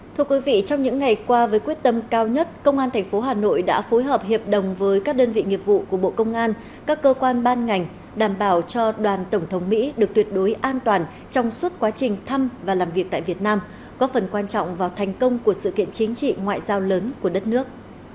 thưa quý vị trong những ngày qua với quyết tâm cao nhất công an tp hà nội đã phối hợp hiệp đồng với các đơn vị nghiệp vụ của bộ công an các cơ quan ban ngành đảm bảo cho đoàn tổng thống mỹ được tuyệt đối an toàn trong suốt quá trình thăm và làm việc tại việt nam có phần quan trọng vào thành công của sự kiện chính trị ngoại giao lớn của đất nước